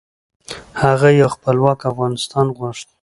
هغه یو خپلواک افغانستان غوښت .